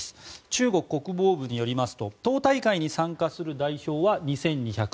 中国国防部によりますと党大会に参加する代表は２２９６人。